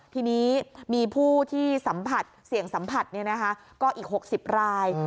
ทีนี้มีผู้ที่สัมผัสเสี่ยงสัมผัสก็อีก๖๐ราย